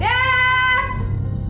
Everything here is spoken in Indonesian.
dia ada infinite